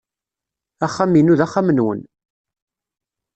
Axxam-inu d axxam-nwen.